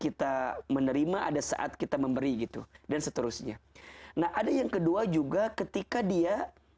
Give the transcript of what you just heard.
kita menerima ada saat kita memberi gitu dan seterusnya nah ada yang kedua juga ketika dia